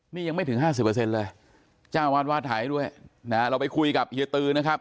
นี่ยังไม่ถึงห้าสิบเปอร์เซ็นต์เลยจ้าวาดไทยด้วยนะฮะเราไปคุยกับเฮียตือนะครับ